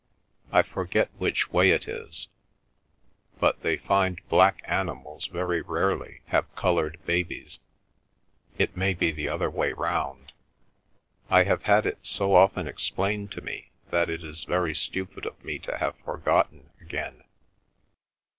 "I forget which way it is—but they find black animals very rarely have coloured babies—it may be the other way round. I have had it so often explained to me that it is very stupid of me to have forgotten again."